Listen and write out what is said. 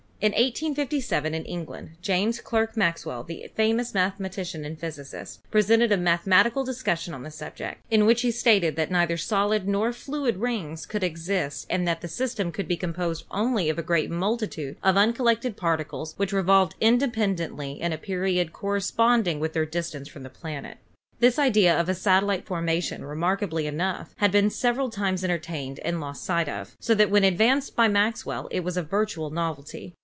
In 1857, in England, James Clerk Maxwell, the famous mathematician and physicist, presented a mathe matical discussion of the subject, in which he stated that neither solid nor fluid rings could exist and that the sys tem could be composed only of a great multitude of uncol lected particles which revolved independently in a period corresponding with their distance from the planet. This idea of a satellite formation, remarkably enough, had been several times entertained and lost sight of, so that when advanced by Maxwell it was a virtual novelty.